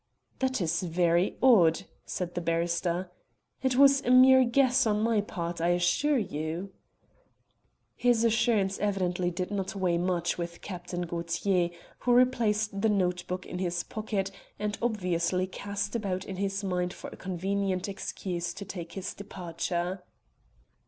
"That is very odd," said the barrister. "It was a mere guess on my part, I assure you." His assurance evidently did not weigh much with Captain Gaultier, who replaced the note book in his pocket, and obviously cast about in his mind for a convenient excuse to take his departure.